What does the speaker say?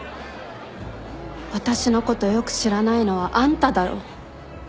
私のことよく知らないのはあんただろ。